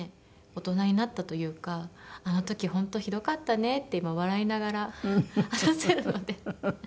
大人になったというか「あの時本当ひどかったね」って今笑いながら話せるので。